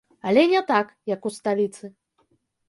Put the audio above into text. Але не так, як у сталіцы.